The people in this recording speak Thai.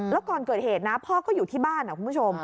แล้วก่อนเกิดเหตุนะพ่อก็อยู่ที่บ้านนะคุณผู้ชม